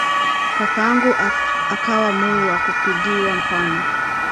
Kakangu akawa mui wa kupigiwa mfano